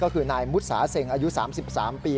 ก็คือนายมุษสาเซ็งอายุ๓๓ปี